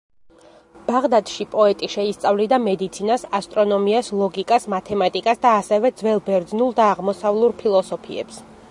ბაღდადში პოეტი შეისწავლიდა მედიცინას, ასტრონომიას, ლოგიკას, მათემატიკას და ასევე ძველ ბერძნულ და აღმოსავლურ ფილოსოფიებს.